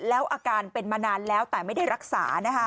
แล้วอาการเป็นมานานแล้วแต่ไม่ได้รักษา